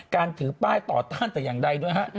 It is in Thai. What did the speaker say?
ถือป้ายต่อต้านแต่อย่างใดด้วยฮะ